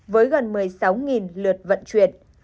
với gần một mươi sáu lượt vận chuyển